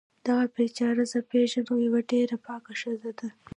دغه بیچاره زه پیږنم یوه ډیره پاکه ښځه ده